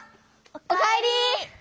おかえり。